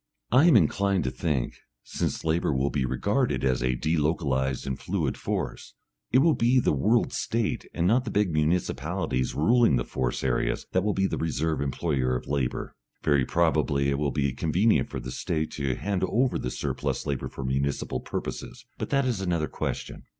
I am inclined to think that, since labour will be regarded as a delocalised and fluid force, it will be the World State and not the big municipalities ruling the force areas that will be the reserve employer of labour. Very probably it will be convenient for the State to hand over the surplus labour for municipal purposes, but that is another question.